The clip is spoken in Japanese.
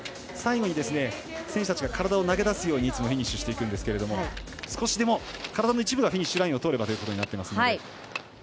最後に、選手たちが体を投げ出すようにフィニッシュしていくんですけれども少しでも、体の一部がフィニッシュラインを通ればということになっていますので。